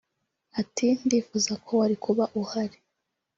Ati «Ndifuza ko wari kuba uhari